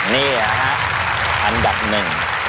นี่ค่ะอันดับหนึ่ง